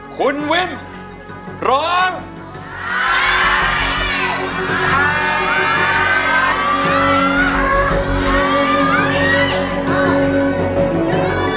คุณวิมร้อง